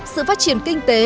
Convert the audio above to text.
sự phát triển kinh tế